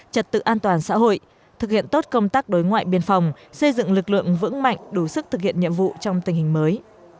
trật tự an toàn xã hội thực hiện tốt công tác đối ngoại biên phòng xây dựng lực lượng vững mạnh đủ sức thực hiện nhiệm vụ trong tình hình mới